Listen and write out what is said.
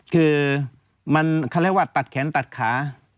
คือมันคำนาญวัตรตัดแขนตัดขา